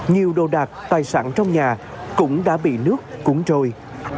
nhiều đồ đạc tài sản trong nhà cũng đã bị nước cuốn trôi